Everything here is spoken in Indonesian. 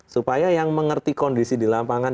supaya yang mengerti kondisi di lapangan